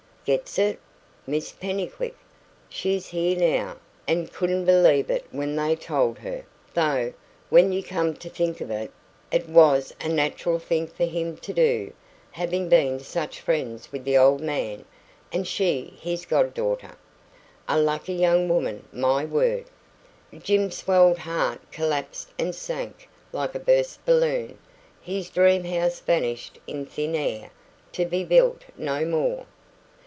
"Gets it? Miss Pennycuick. She's here now. And couldn't believe it when they told her though, when you come to think of it, it was a natural thing for him to do, having been such friends with the old man, and she his god daughter. A lucky young woman my word!" Jim's swelled heart collapsed and sank like a burst balloon. His dream house vanished in thin air, to be built no more.